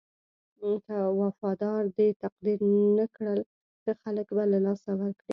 که وفادار دې تقدير نه کړل ښه خلک به له لاسه ورکړې.